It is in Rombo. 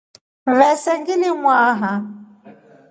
Mvese nglimwaha.